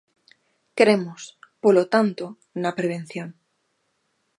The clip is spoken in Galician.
Cremos, polo tanto, na prevención.